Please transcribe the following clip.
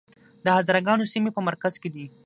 د هزاره ګانو سیمې په مرکز کې دي